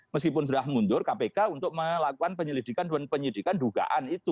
meskipun sudah mundur kpk untuk melakukan penyelidikan dan penyidikan dugaan itu